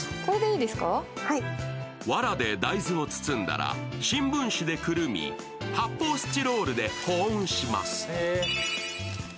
わらで大豆を包んだら、新聞紙でくるみ、発泡スチロールで保温します。